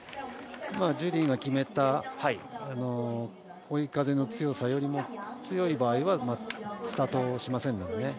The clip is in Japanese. ジュリーが決めた追い風の強さよりも強い場合はスタートしませんので。